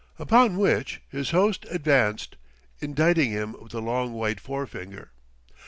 Upon which his host advanced, indicting him with a long white forefinger.